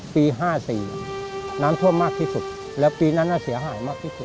ปี๕๔น้ำท่วมมากที่สุดแล้วปีนั้นเสียหายมากที่สุด